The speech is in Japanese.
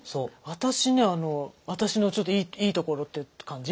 私ね私のちょっといいところって感じ？